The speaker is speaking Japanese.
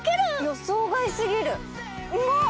予想外過ぎるうまっ！